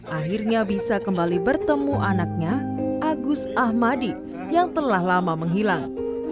akhirnya bisa kembali bertemu anaknya agus ahmadi yang telah lama menghilang